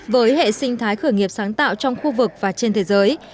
với hệ sinh thái khởi nghiệp sáng tạo trong khu vực và trên thế giới